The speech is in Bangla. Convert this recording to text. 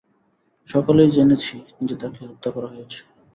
সকালেই জেনেছি, যে তাকে হত্যা করা হয়েছে।